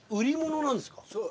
そう。